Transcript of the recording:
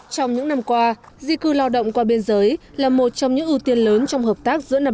trong những năm qua di cư lao động qua biên giới là một trong những ưu tiên lớn trong hợp tác giữa hai nước